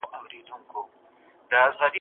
خلک په قهر او ویره کې ډوب شول.